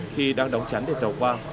khi đang đóng chắn để tàu qua